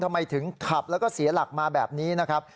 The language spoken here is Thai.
ทำไมถึงขับแล้วก็เสียหลักมาแบบนี้นะครับ